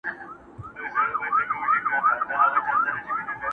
اورنګ زېب ویل پر ما یو نصیحت دی!